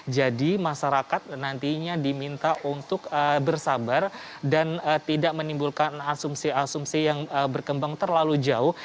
jadi masyarakat nantinya diminta untuk bersabar dan tidak menimbulkan asumsi asumsi yang berkembang terlalu jauh